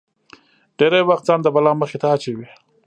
ډېری وخت ځان د بلا مخې ته اچوي.